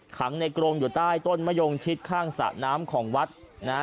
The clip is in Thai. ขังในกรงอยู่ใต้ต้นมะยงชิดข้างสระน้ำของวัดนะฮะ